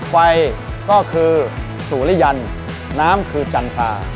ไฟก็คือสุริยันน้ำคือจันทรา